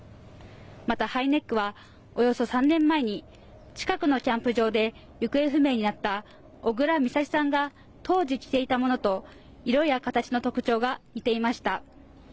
またハイネックはおよそ３年前に近くのキャンプ場で行方不明になった小倉美咲さんが当時着ていたものと色や形の特徴が似ていました